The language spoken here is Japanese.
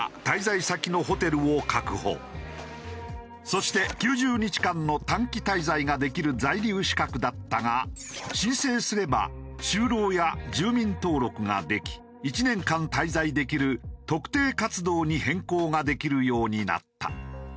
そして９０日間の短期滞在ができる在留資格だったが申請すれば就労や住民登録ができ１年間滞在できる特定活動に変更ができるようになった。